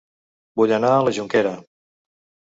Vull anar a La Jonquera